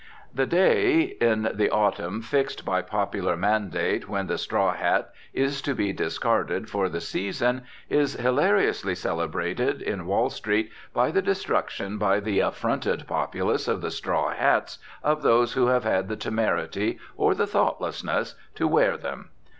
The day in the autumn fixed by popular mandate when the straw hat is to be discarded for the season is hilariously celebrated in Wall Street by the destruction by the affronted populace of the straw hats of those who have had the temerity or the thoughtlessness to wear them.